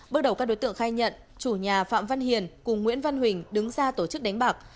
bước đầu các đối tượng khai nhận chủ nhà phạm văn hiền cùng nguyễn văn huỳnh đứng ra tổ chức đánh bạc